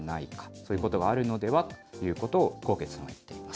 そういうことがあるのではということを、纐纈さんは言っています。